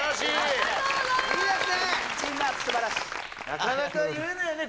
なかなか言えないよね